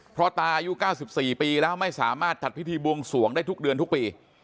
เพราะตาอายุ๙๔ปีแล้วไม่สามารถจัดพิธีบวงสวงได้ทุกเดือนทุกปี